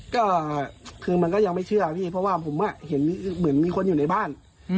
ก็คือมันก็ยังไม่เชื่อพี่เพราะว่าผมเห็นเหมือนมีคนอยู่ในบ้าน